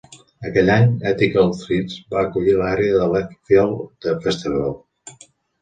Aquell any, Ethical Threads va acollir l'àrea The Left Field del festival.